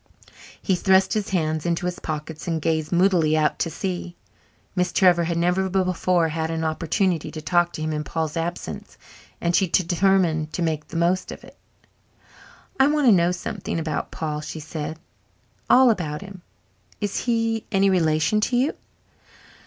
He thrust his hands into his pockets and gazed moodily out to sea. Miss Trevor had never before had an opportunity to talk to him in Paul's absence and she determined to make the most of it. "I want to know something about Paul," she said, "all about him. Is he any relation to you?"